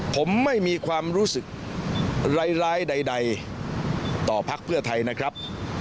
ผมไม่มีความรู้สึกร้ายใดต่อพักเพื่อไทยนะครับ